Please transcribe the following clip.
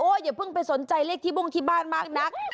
อย่าเพิ่งไปสนใจเลขที่บุ้งที่บ้านมากนัก